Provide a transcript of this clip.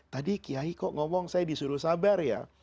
tadi kiai kok ngomong saya disuruh sabar ya